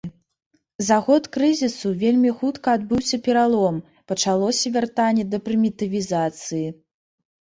За год крызісу вельмі хутка адбыўся пералом, пачалося вяртанне да прымітывізацыі.